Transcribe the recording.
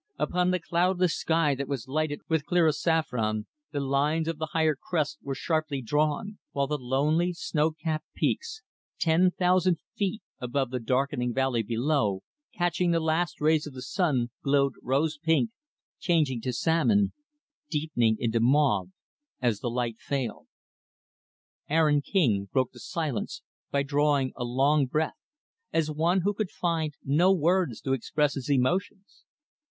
Upon the cloudless sky that was lighted with clearest saffron, the lines of the higher crests were sharply drawn; while the lonely, snow capped peaks, ten thousand feet above the darkening valley below, catching the last rays of the sun, glowed rose pink changing to salmon deepening into mauve as the light failed. Aaron King broke the silence by drawing a long breath as one who could find no words to express his emotions.